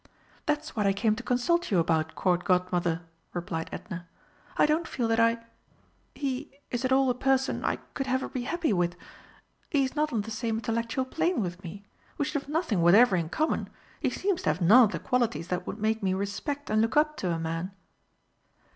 "That's what I came to consult you about, Court Godmother," replied Edna. "I don't feel that I he is at all a person I could ever be happy with. He is not on the same intellectual plane with me we should have nothing whatever in common. He seems to have none of the qualities that would make me respect and look up to a man."